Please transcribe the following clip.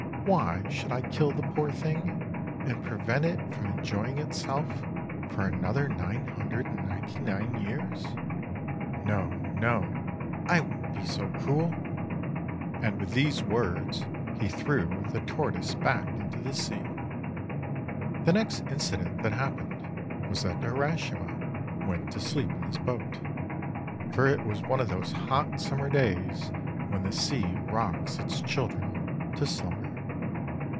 Why should I kill the poor thing, and prevent it from enjoying itself for another 999 years? No, no! I won't be so cruel." And with these words, he threw the tortoise back into the sea. The next incident that happened was that Urashima went to sleep in his boat, for it was one of those hot summer days when the sea rocks its children to slumber.